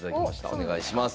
お願いします。